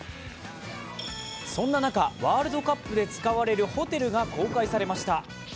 そんな中、ワールドカップで使うホテルが公開されました。